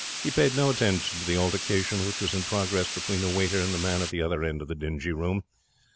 He paid no attention to the altercation which was in progress between the waiter and the man at the other end of the dingy room.